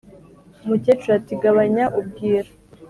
Umukecuru ati"gabanya ubwira